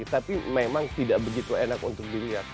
tapi memang tidak begitu enak untuk dilihat